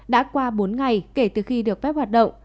đã qua bốn ngày kể từ khi được phép hoạt động